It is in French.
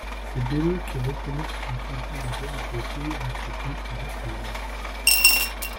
C'est dès le qu'est reconnue cette notion intermédiaire entre le théisme chrétien et l'athéisme.